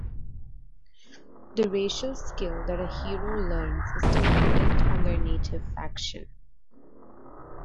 The racial skill that a hero learns is dependent on their native faction.